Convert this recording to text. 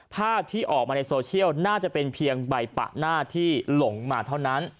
ภาพที่ออกมาในโซเชียลน่าจะเป็นเพียงใบปะหน้าที่หลงมาเท่านั้น